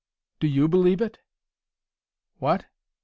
"Do YOU believe it?" "What?"